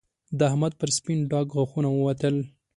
د احمد پر سپين ډاګ غاښونه ووتل